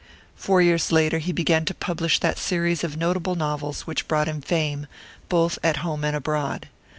Four years later he began to publish that series of notable novels which brought him fame, both at home and abroad.